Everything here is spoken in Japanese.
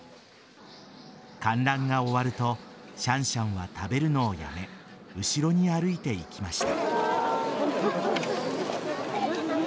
観覧が終わるとシャンシャンは食べるのをやめ後ろに歩いて行きました。